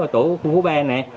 tổ khu phố ba này